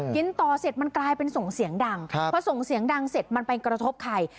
กินต่อเสร็จมันกลายเป็นส่งเสียงดังพอส่งเสียงดังเสร็จมันไปกระทบใคร